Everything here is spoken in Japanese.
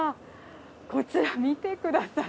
こっち見てください。